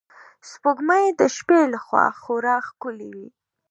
سپوږمۍ د شپې له خوا خورا ښکلی وي